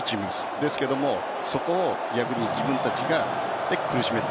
ですがそこを逆に自分たちで苦しめた。